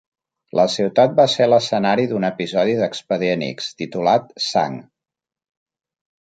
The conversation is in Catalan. La ciutat va ser l'escenari d'un episodi d'"Expedient X" titulat "Sang".